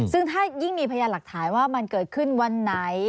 ซึ่งถ้ายิ่งมีพยานหลักฐานว่ามันเกิดขึ้นวันไหน